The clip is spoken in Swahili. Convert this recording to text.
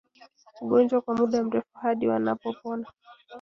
ugonjwa kwa muda mrefu hadi wanapopona